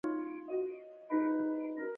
استرخانیان هم د ازبکانو له توکم څخه شمیرل کیږي.